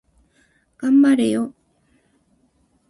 頑張れよ